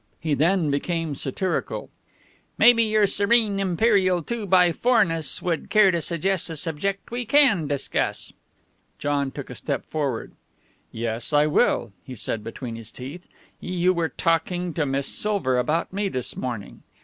He then became satirical. "Maybe Your Serene, Imperial Two by Fourness would care to suggest a subject we can discuss?" John took a step forward. "Yes, I will," he said between his teeth. "You were talking to Miss Silver about me this morning.